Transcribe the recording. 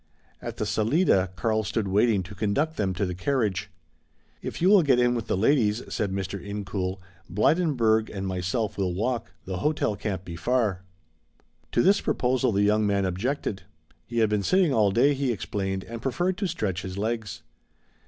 At the salida Karl stood waiting to conduct them to the carriage. "If you will get in with the ladies," said Mr. Incoul, "Blydenburg and myself will walk. The hotel can't be far." To this proposal the young man objected. He had been sitting all day, he explained, and preferred to stretch his legs.